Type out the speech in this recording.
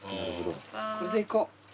これでいこう。